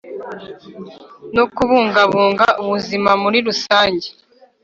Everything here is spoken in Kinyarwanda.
no kubungabunga ubuzima muri rusange.